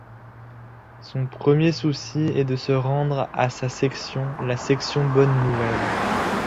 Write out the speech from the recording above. Son premier souci est de se rendre à sa section, la section Bonne Nouvelle.